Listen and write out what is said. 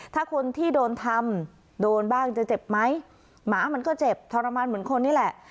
ถ้าคนที่โดนทำโดนบ้างจะเจ็บไหมหมามันก็เจ็บทรมานเหมือนคนนี่แหละ